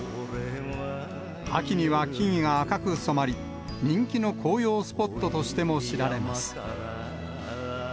秋には木々が赤く染まり、人気の紅葉スポットとしても知られます。